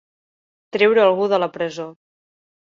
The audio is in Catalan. Treure algú de la presó.